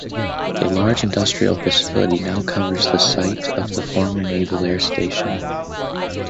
A large industrial facility now covers the site of the former Naval Air Station.